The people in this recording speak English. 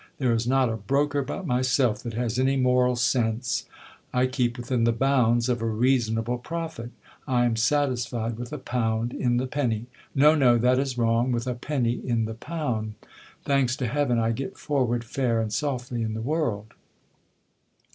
There is not a broker but myself that has any moral sense. I keep within the bounds of a reasonable profit. I am satisfied with a pound in the penny ;— no, no !— that is wrong : ^with a penny in the pound. Thanks to heaven, I get forward fair and softly in the world.